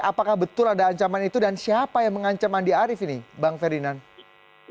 apakah betul ada ancaman itu dan siapa yang mengancam andi arief ini bang ferdinand